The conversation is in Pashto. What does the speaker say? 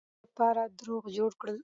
دوی د خپلې سيمې لپاره دروغ جوړ کړل.